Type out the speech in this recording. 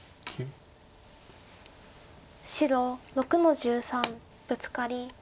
白６の十三ブツカリ。